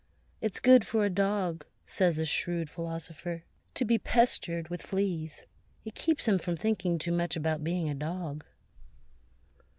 It's good for a dog, says a shrewd philosopher, to be pestered with fleas; it keeps him from thinking too much about being a dog.